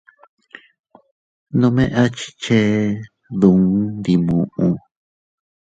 Nome a chichee duun ndi muʼu.